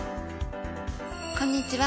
こんにちは。